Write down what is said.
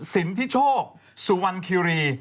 สินทิโชคสุวรรณคิรี